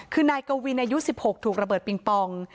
คือนายกวินอายุ๑๖ถูกระเบิดปิงปอง